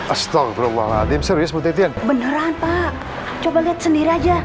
astagfirullahaladzim serius bu titian beneran pak coba lihat sendiri aja